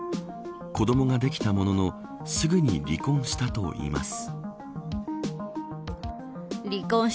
子どもができたもののすぐに離婚したといいます。